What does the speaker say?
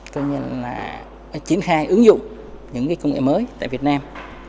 tương nhiên là triển khai ứng dụng những công nghệ mới tại việt nam